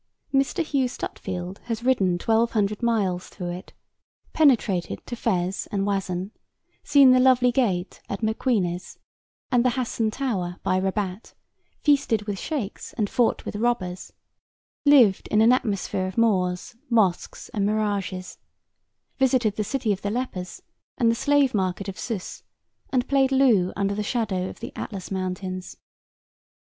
Mr. Hugh Stutfield has ridden twelve hundred miles through it, penetrated to Fez and Wazan, seen the lovely gate at Mequinez and the Hassen Tower by Rabat, feasted with sheikhs and fought with robbers, lived in an atmosphere of Moors, mosques and mirages, visited the city of the lepers and the slave market of Sus, and played loo under the shadow of the Atlas Mountains.